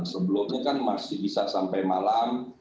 sebelumnya kan masih bisa sampai malam